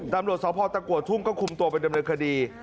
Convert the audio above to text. ดำรวจสาวพอร์ตกว่าทุ่มก็คุมตัวไปดำเนินคดี